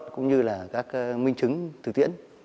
cũng như là các minh chứng thực tiễn